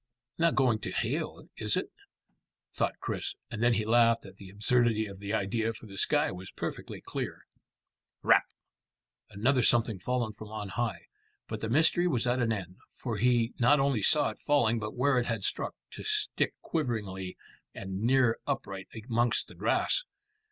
"Not going to hail, is it?" thought Chris; and then he laughed at the absurdity of the idea, for the sky was perfectly clear. Rap! Another something fallen from on high, but the mystery was at an end, for he not only saw it falling but where it had struck, to stick quivering and nearly upright amongst the grass.